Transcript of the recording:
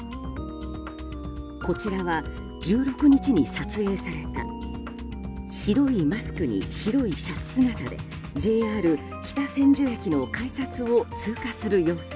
こちらは１６日に撮影された白いマスクに白いシャツ姿でＪＲ北千住駅の改札を通過する様子。